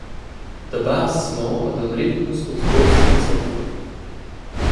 Da bass mo ed el ritmus culs bufs dil suffel.